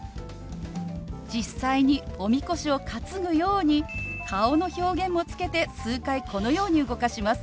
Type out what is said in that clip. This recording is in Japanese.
実際におみこしを担ぐように顔の表現もつけて数回このように動かします。